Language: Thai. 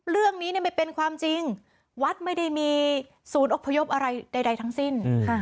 เรื่องนี้ไม่เป็นความจริงวัดไม่ได้มีศูนย์อบพยพอะไรใดทั้งสิ้น